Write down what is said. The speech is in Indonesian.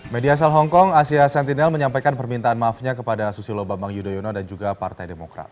media asal hongkong asia sentinel menyampaikan permintaan maafnya kepada susilo bambang yudhoyono dan juga partai demokrat